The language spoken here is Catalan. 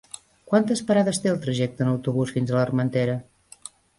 Quantes parades té el trajecte en autobús fins a l'Armentera?